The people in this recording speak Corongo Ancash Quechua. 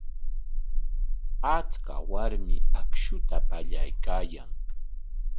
Achka warmi akshuta pallaykaayan.